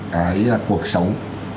cái cuộc sống